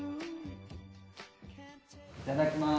いただきます。